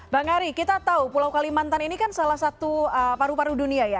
bang ari kita tahu pulau kalimantan ini kan salah satu paru paru dunia ya